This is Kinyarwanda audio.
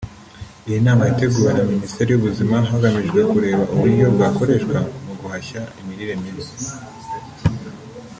Iyi nama yateguwe na minisiteri y’ubuzima hagamijwe kureba uburyo bwakoreshwa mu guhashya imirire mibi